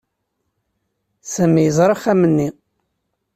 Sami yeẓra axxam-nni.